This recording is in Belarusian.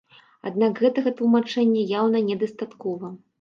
Аднак гэтага тлумачэння яўна недастаткова.